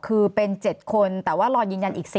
คือเป็น๗คนแต่ว่ารอยืนยันอีก๔